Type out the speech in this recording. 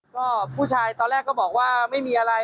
ก็ผู้ชายตอนแรกก็บอกว่าไม่มีอะไร